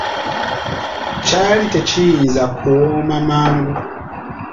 Kyali tekiyinza kuwoma mangu.